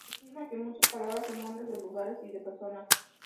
Se estima que muchas palabras son nombres de lugares y de personas.